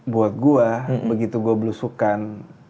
buat gue begitu gue belusukan